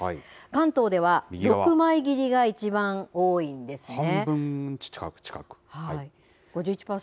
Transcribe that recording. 関東では６枚切りが一番多いんですね。